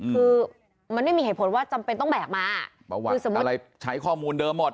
คือมันไม่มีเหตุผลว่าจำเป็นต้องแบกมาคืออะไรใช้ข้อมูลเดิมหมด